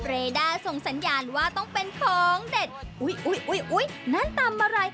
รีด้าส่งสัญญาณว่าต้องเป็นของเด็ดนั่นตามมาราย